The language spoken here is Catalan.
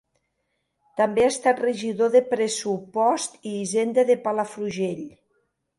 També ha estat regidor de Pressupost i Hisenda de Palafrugell.